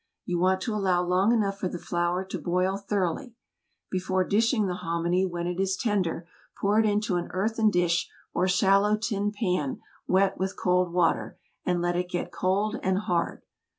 You want to allow long enough for the flour to boil thoroughly; before dishing the hominy when it is tender pour it into an earthen dish or shallow tin pan wet with cold water, and let it get cold and hard.